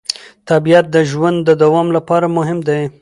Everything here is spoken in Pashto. طبیعت د ژوند د دوام لپاره مهم دی